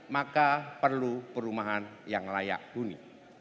maka perlu perumahan yang layak huni